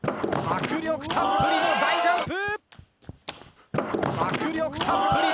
迫力たっぷりの大ジャンプ！